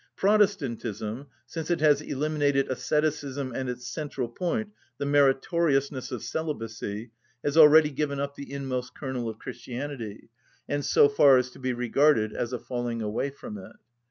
Protestantism, since it has eliminated asceticism and its central point, the meritoriousness of celibacy, has already given up the inmost kernel of Christianity, and so far is to be regarded as a falling away from it.